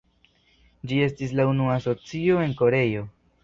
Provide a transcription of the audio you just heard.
Ĝi estis la unua Asocio en Koreio.